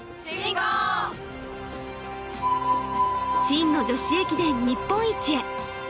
真の女子駅伝日本一へ。